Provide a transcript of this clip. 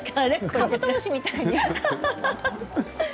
カブトムシみたい。